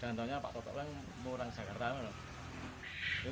jangan tahunya pak toto ini yang membangun anak ke yogyakarta